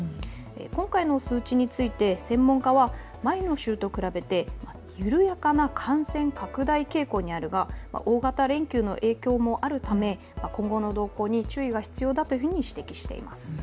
今回の数値について専門家は前の週と比べて緩やかな感染拡大傾向にあるが大型連休の影響もあるため今後の動向に注意が必要だと指摘しています。